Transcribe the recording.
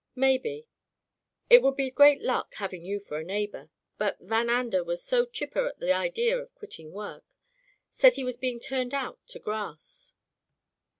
"Maybe. It would be great luck, having you for a neighbor. But Van Ander was so chipper at the idea of quitting work. Said he was being turned out to grass.